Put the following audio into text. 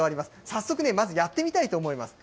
早速ね、まずやってみたいと思います。